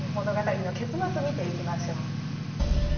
物語の結末見ていきましょう。